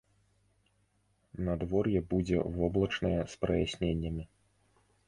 Надвор'е будзе воблачнае з праясненнямі.